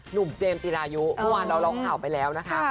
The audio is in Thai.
หนุ่มเจมส์จิรายุทุกวันเราลองข่าวไปแล้วนะคะ